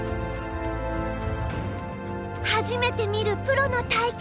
初めて見るプロの対局場。